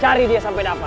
cari dia sampai dapat